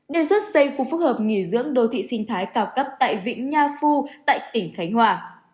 đề xuất xây khu phức hợp nghỉ dưỡng đô thị sinh thái cao cấp tại vĩnh nha phu tại tỉnh khánh hòa